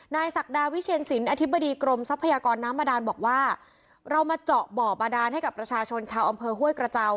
ศักดาวิเชียนสินอธิบดีกรมทรัพยากรน้ำบาดานบอกว่าเรามาเจาะบ่อบาดานให้กับประชาชนชาวอำเภอห้วยกระเจ้า